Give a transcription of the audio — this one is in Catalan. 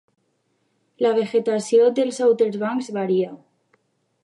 La vegetació dels Outer Banks varia.